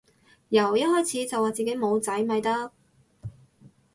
由一開始就話自己冇仔咪得